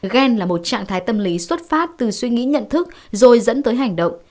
gen là một trạng thái tâm lý xuất phát từ suy nghĩ nhận thức rồi dẫn tới hành động